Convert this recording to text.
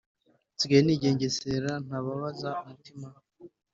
nsigaye nigengesera, ntababaza umutima